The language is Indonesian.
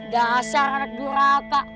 dasar anak diorata